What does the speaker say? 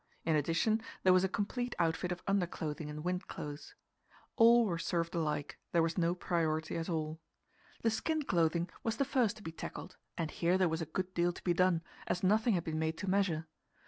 In addition, there was a complete outfit of underclothing and wind clothes. All were served alike; there was no priority at all. The skin clothing was the first to be tackled, and here there was a good deal to be done, as nothing had been made to measure.